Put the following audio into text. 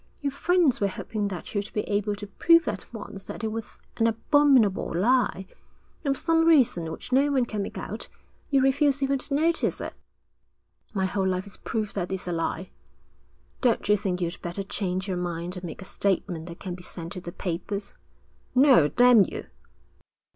Your friends were hoping that you'd be able to prove at once that it was an abominable lie, and for some reason which no one can make out, you refuse even to notice it.' 'My whole life is proof that it's a lie.' 'Don't you think you'd better change your mind and make a statement that can be sent to the papers?' 'No, damn you!'